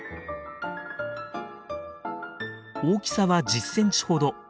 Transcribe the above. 大きさは１０センチほど。